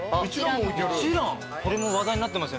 これも話題になってましたよね